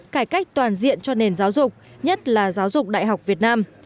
cải cách toàn diện cho nền giáo dục nhất là giáo dục đại học việt nam